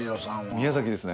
宮崎ですね。